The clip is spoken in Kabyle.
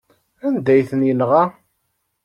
Anda ay ten-yenɣa?